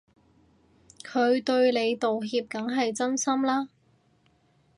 佢對你道歉梗係真心啦